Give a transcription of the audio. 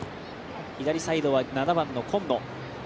左サイドは７番の今野。